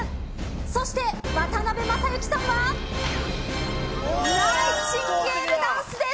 そして、渡辺正行さんはナイチンゲールダンスです。